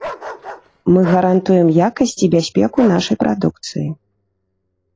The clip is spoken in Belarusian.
Мы гарантуем якасць і бяспеку нашай прадукцыі.